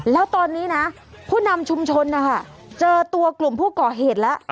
แล้วตอนนี้นะผู้นำชุมชนนะคะเจอตัวกลุ่มผู้ก่อเหตุแล้ว